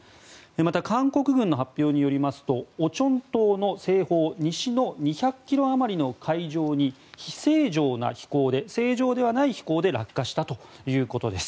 また、韓国軍の発表によりますとオチョン島の西方西の２００ｋｍあまりの海上に非正常な飛行で正常ではない飛行で落下したということです。